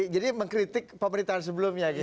jadi mengkritik pemerintahan sebelumnya gitu